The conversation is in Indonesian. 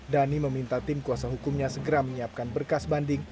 dhani meminta tim kuasa hukumnya segera menyiapkan berkas banding